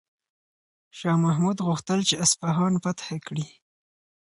شاه محمود غوښتل چې اصفهان فتح کړي.